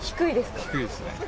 低いですね。